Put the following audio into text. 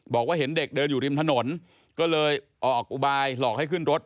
บอกว่าเห็นเด็กเดินอยู่ริมถนนก็เลยออกอุบายหลอกให้ขึ้นรถ